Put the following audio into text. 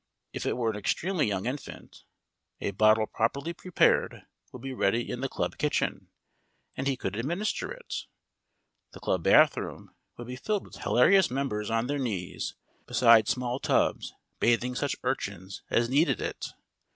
If it were an extremely young infant, a bottle properly prepared would be ready in the club kitchen, and he could administer it. The club bathroom would be filled with hilarious members on their knees beside small tubs, bathing such urchins as needed it.